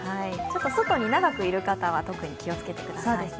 外に長くいる方は特に気をつけてください。